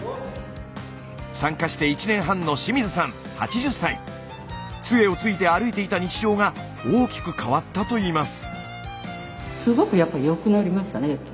参加して１年半の杖を突いて歩いていた日常が大きく変わったといいます。